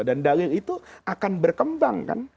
dan dalil itu akan berkembang